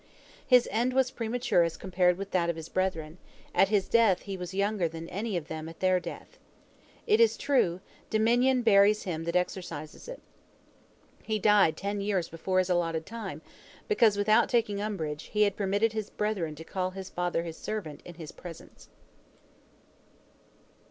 His end was premature as compared with that of his brethren; at his death he was younger than any of them at their death. It is true, "Dominion buries him that exercises it." He died ten years before his allotted time, because, without taking umbrage, he had permitted his brethren to call his father his "servant" in his presence.